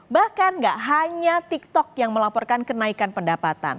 bahkan gak hanya tiktok yang melaporkan kenaikan pendapatan